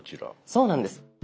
そうなんです。